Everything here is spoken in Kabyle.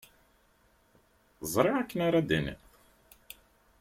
Ẓriɣ akken ara d-tiniḍ.